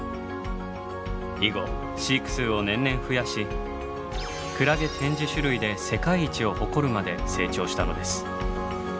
以後飼育数を年々増やしクラゲ展示種類で世界一を誇るまで成長したのです。